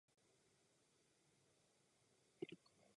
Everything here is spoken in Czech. V zemi jsou zakázány politické strany.